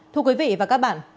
thưa quý vị và các bạn